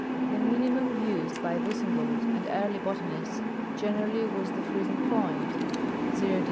The minimum used. by Boussingault and early botanists generally was the freez ing point (0° C.